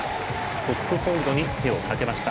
トップホールドに手をかけました。